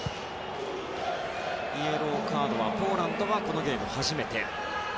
イエローカードはポーランド、このゲーム初めて。